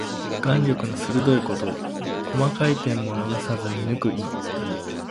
眼力の鋭いこと。細かい点も逃さず見抜く意。